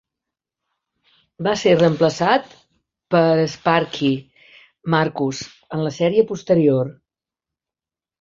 Va ser reemplaçat per Sparky Marcus en la sèrie posterior.